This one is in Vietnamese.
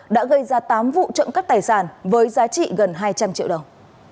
đã gây ra tám vụ trộm cắp tài sản với giá trị gần hai trăm linh triệu đồng